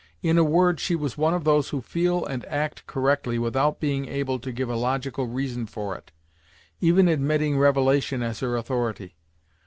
In a word, she was one of those who feel and act correctly without being able to give a logical reason for it, even admitting revelation as her authority.